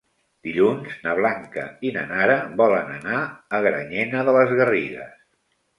Dilluns na Blanca i na Nara volen anar a Granyena de les Garrigues.